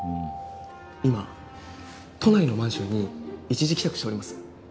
今都内のマンションに一時帰宅しております。